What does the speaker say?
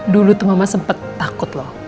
dulu tuh mama sempat takut loh